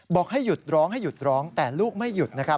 บอกให้หยุดร้องแต่ลูกไม่หยุด